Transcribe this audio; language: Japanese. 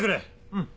うん。